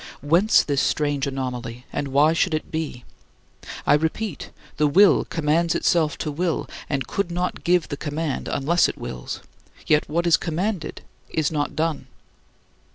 Whence this strange anomaly and why should it be? I repeat: The will commands itself to will, and could not give the command unless it wills; yet what is commanded is not done.